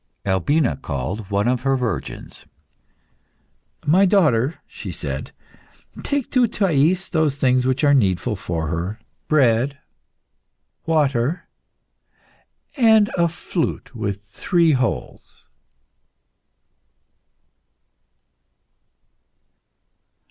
Albina called one of her virgins. "My daughter," she said, "take to Thais those things which are needful for her bread, water, and a flute with three holes."